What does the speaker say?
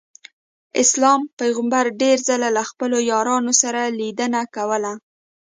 اسلام پیغمبر ډېر ځله له خپلو یارانو سره لیدنه کوله.